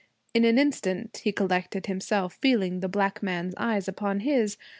In an instant he collected himself, feeling the black man's eyes upon his.